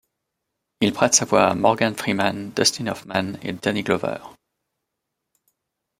Il prête sa voix à Morgan Freeman, Dustin Hoffman, et Danny Glover.